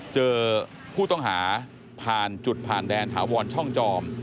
เจอผู้ต้องหาผ่านจุดผ่านแดนถาวรช่องจอม